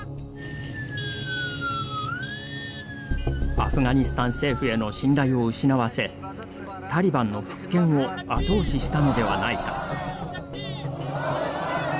アフガニスタン政府への信頼を失わせ、タリバンの復権を後押ししたのではないか。